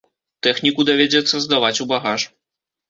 Тэхніку давядзецца здаваць у багаж.